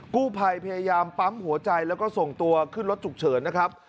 กู้ภัยพยายามปั๊มหัวใจแล้วก็ส่งตัวขึ้นรถฉุกเฉินนะครับ